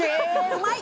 うまい！